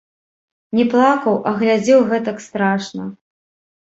Не плакаў, а глядзеў гэтак страшна.